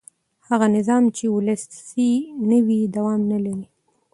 هغه نظام چې ولسي نه وي دوام نه لري